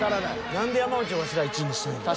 何で山内ワシら１位にしたんやろ。